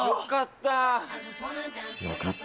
よかった。